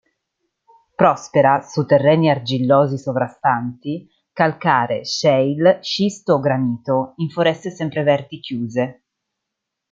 Prospera su terreni argillosi sovrastanti calcare, shale, scisto o granito, in foreste sempreverdi chiuse.